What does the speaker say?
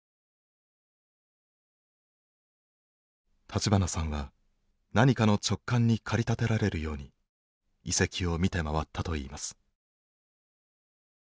立花さんは何かの直感に駆り立てられるように遺跡を見て回ったといいます。